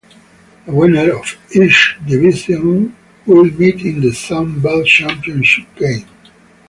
The winner of each division will meet in the Sun Belt Championship game.